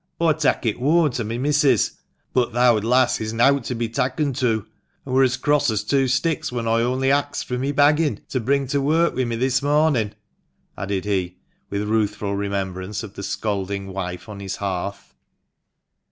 "Aw'd tak' it whoam to my missis, but th' owd lass is nowt to be takken to, an' wur as cross as two sticks when oi only axed fur mi baggin* to bring to wark wi' mi this mornin'," added he, with rueful remembrance of the scolding wife on his hearth.